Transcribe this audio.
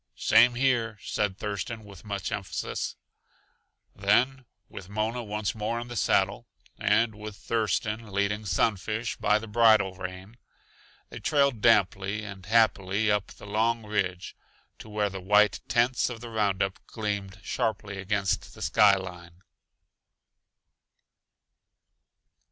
"Same here," said Thurston with much emphasis. Then, with Mona once more in the saddle, and with Thurston leading Sunfish by the bridle rein, they trailed damply and happily up the long ridge to where the white tents of the roundup gleamed sharply against the sky line.